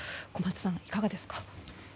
小松さん、いかがですか？